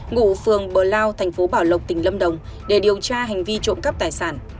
ngụ phường bờ lao thành phố bảo lộc tỉnh lâm đồng để điều tra hành vi trộm cắp tài sản